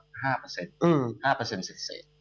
๕เสร็จ